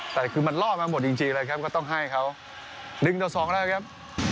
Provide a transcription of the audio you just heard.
แต่คือมันล่อมาหมดจริงเลยครับก็ต้องให้เขา๑ต่อ๒แล้วครับ